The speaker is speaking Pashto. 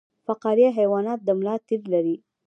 فقاریه حیوانات د ملا تیر لري